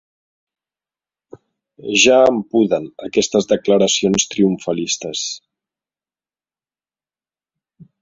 Ja em puden aquestes declaracions triomfalistes.